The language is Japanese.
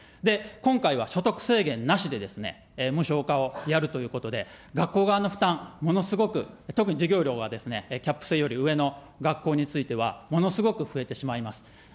今回は所得制限なしでですね、無償化をやるということで、学校側の負担、ものすごく、特に授業料がキャップ制より上の学校についてはものすごく増えてしまいます。